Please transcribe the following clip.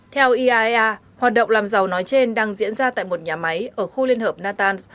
theo iaea hoạt động làm giàu nói trên đang diễn ra tại một nhà máy ở khu liên hợp natanz